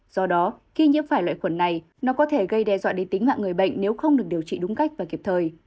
do đó khi nhiễm phải loại khuẩn này nó có thể gây đe dọa đến tính mạng người bệnh nếu không được điều trị đúng cách và kịp thời